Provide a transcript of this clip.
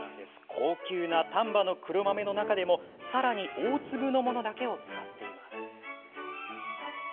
高級な丹波の黒豆の中でもさらに大粒のものだけを使っています。